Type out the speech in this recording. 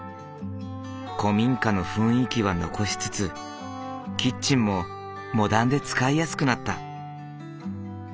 古民家の雰囲気は残しつつキッチンもモダンで使いやすくなった。